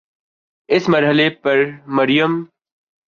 اس مرحلے پر مریم